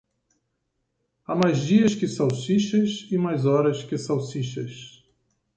Há mais dias que salsichas e mais horas que salsichas.